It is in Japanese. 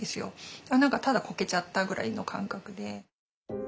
何かただこけちゃったぐらいの感覚で。